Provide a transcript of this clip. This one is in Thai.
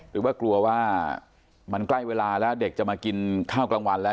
หรือว่ากลัวว่ามันใกล้เวลาแล้วเด็กจะมากินข้าวกลางวันแล้ว